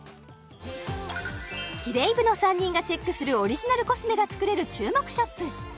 キレイ部の３人がチェックするオリジナルコスメが作れる注目ショップ